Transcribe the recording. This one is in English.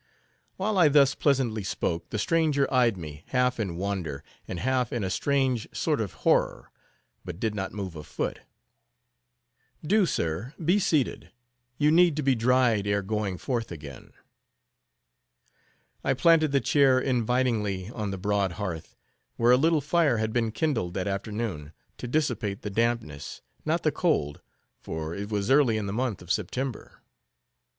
While I thus pleasantly spoke, the stranger eyed me, half in wonder, and half in a strange sort of horror; but did not move a foot. "Do, sir, be seated; you need to be dried ere going forth again." I planted the chair invitingly on the broad hearth, where a little fire had been kindled that afternoon to dissipate the dampness, not the cold; for it was early in the month of September.